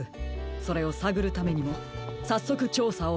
それをさぐるためにもさっそくちょうさをはじめましょう。